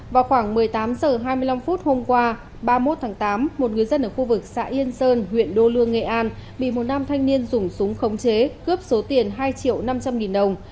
vào khoảng một mươi tám h hai mươi năm hôm qua ba mươi một tháng tám một người dân ở khu vực xã yên sơn huyện đô lương nghệ an bị một nam thanh niên dùng súng khống chế cướp số tiền hai triệu năm trăm linh nghìn đồng